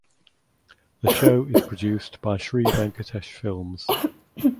The show is produced by Shree Venkatesh Films.